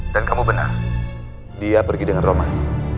lagi dengan roman